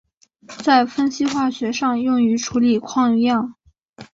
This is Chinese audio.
在分析化学上用于处理矿样。